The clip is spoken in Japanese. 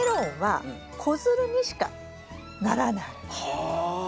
はあ。